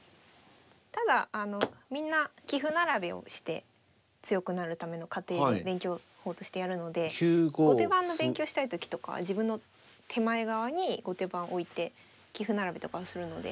ただみんな棋譜並べをして強くなるための過程で勉強法としてやるので後手番の勉強したい時とかは自分の手前側に後手番置いて棋譜並べとかをするので。